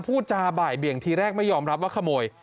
พูดจาบ่ายเบี่ยงทีแรกไม่ยอมรับว่าขโมย